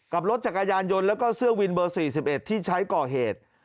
กับรถจักรยานยนต์แล้วก็เสื้อวินเบอร์๔๑ที่ใช้ก่อเหตุ